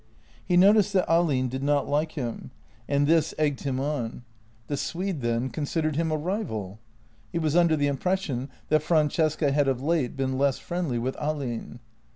He noticed that Ahlin did not like him, and this egged him 68 JENNY on. The Swede, then, considered him a rival? He was under the impression that Francesca had of late been less friendly with Ahlin.